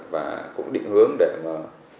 và cũng định hướng để mà